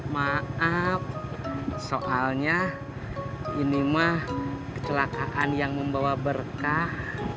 maaf soalnya ini mah kecelakaan yang membawa berkah